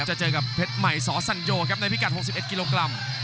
จะเจอกับเพชรใหม่สสัญโยกับภาพแบบระดิษฐ์๖๑กิโลกรัม